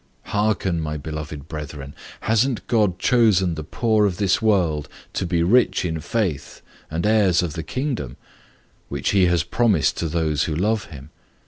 5 Hear, my dearly beloved brethren, Has not God chosen the beggars of this world rich in faith, and heirs of the kingdom which he has promised to them loving him